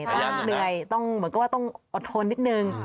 เหนื่อยต้องเหมือนกับว่าต้องอดทนนิดนึง